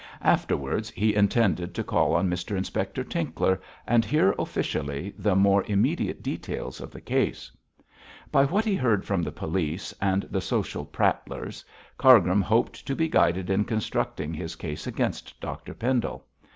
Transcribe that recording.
Afterwards he intended to call on Mr Inspector Tinkler and hear officially the more immediate details of the case. By what he heard from the police and the social prattlers, Cargrim hoped to be guided in constructing his case against Dr Pendle.